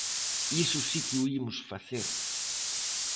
Iso si que o imos facer.